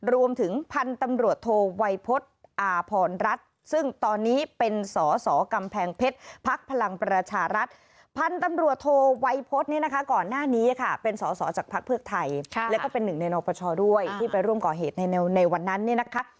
รวมถึงพันธ์ตำรัวโทวัยพลอพรรศ